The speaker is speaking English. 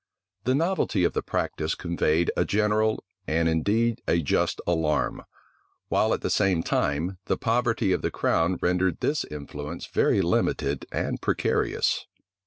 The novelty of the practice conveyed a general, and indeed a just alarm; while, at the same time, the poverty of the crown rendered this influence very limited and precarious.